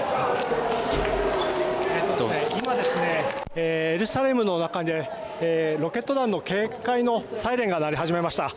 今、エルサレムの中でロケット弾の警戒のサイレンが鳴り始めました。